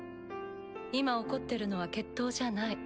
今起こってるのは決闘じゃない。